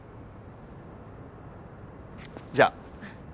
じゃあ。